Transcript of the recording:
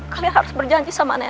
kalian harus berjanji sama nenek